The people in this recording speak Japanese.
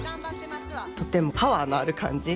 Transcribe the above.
とてもパワーのある感じ。